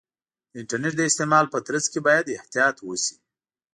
د انټرنیټ د استعمال په ترڅ کې باید احتیاط وشي.